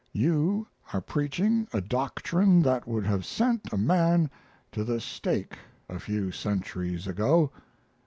You are preaching a doctrine that would have sent a man to the stake a few centuries ago.